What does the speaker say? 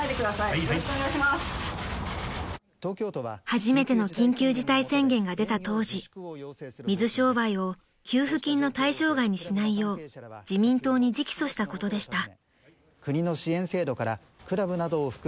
［初めての緊急事態宣言が出た当時水商売を給付金の対象外にしないよう自民党に直訴したことでした］